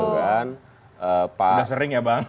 udah sering ya bang